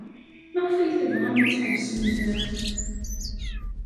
Maɣef ay tebɣam ad tḥebsem da?